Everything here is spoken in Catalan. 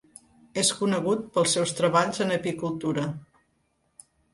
És conegut pels seus treballs en apicultura.